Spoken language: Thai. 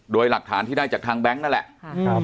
โดยหลักฐานที่ได้จากทางแบงค์นั่นแหละ